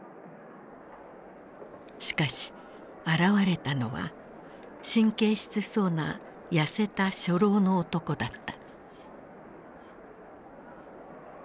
しかし現れたのは神経質そうな痩せた初老の男だった。